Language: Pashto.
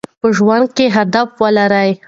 په ژوند کې هدف ولرئ.